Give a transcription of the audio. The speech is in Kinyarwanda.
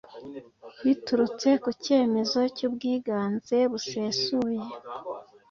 Biturutse ku cyemezo cy ubwiganze busesuye